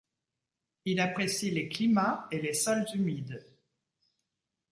Il apprécie les climats et les sols humides.